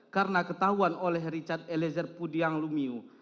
karena ketahuan oleh richard elezer pudiang lumiu